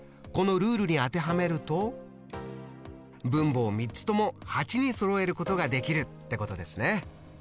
このルールに当てはめると分母を３つとも８にそろえることができるってことですね。